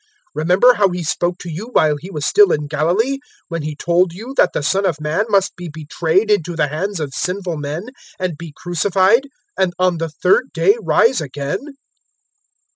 Remember how He spoke to you while He was still in Galilee, 024:007 when He told you that the Son of Man must be betrayed into the hands of sinful men, and be crucified, and on the third day rise again."